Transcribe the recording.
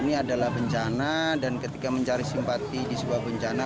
ini adalah bencana dan ketika mencari simpati di sebuah bencana